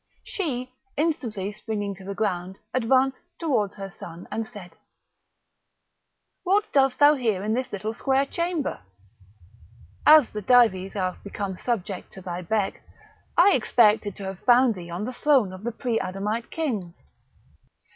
She, instantly springing to the ground, advanced towards her son, and said: "What dost thou here in this little square chamber? As the Dives are become subject to thy beck, I expected to have found thee on the throne of the pre adamite kings."